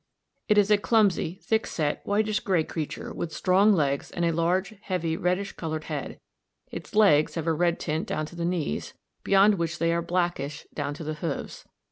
It is a clumsy, thick set, whitish gray creature with strong legs and a large, heavy, reddish coloured head; its legs have a red tint down to the knees, beyond which they are blackish down to the hoofs.